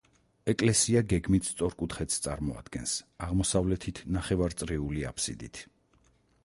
ეკლესია გეგმით სწორკუთხედს წარმოადგენს, აღმოსავლეთით ნახევარწრიული აბსიდით.